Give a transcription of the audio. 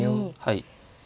はい。